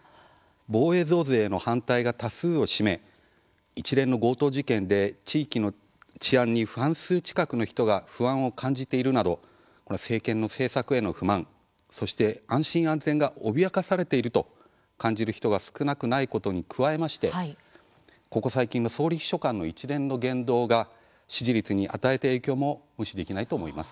防衛増税への反対が多数を占め一連の強盗事件で地域の治安に半数近くの人が不安を感じているなど政権の政策への不満そして安心安全が脅かされていると感じる人が少なくないことに加えましてここ最近の総理秘書官の一連の言動が支持率に与えた影響も無視できないと思います。